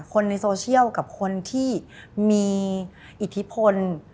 คนในโซเชียลกับคนที่มีอิทธิพล